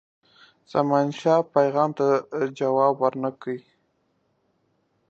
زمانشاه پیغام ته جواب ورنه کړ.